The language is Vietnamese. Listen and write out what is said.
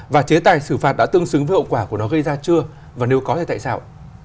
và chế tài xử phạt đã tương xứng với hậu quả của nó gây ra chưa và nếu có thì tại sao